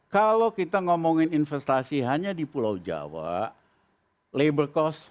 kalau kita ngomongin investasi hanya di pulau jawa labor cost